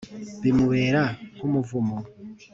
bimubera nk’umuvumo